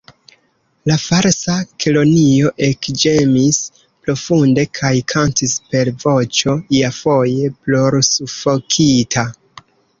La Falsa Kelonio ekĝemis profunde, kaj kantis per voĉo iafoje plorsufokita.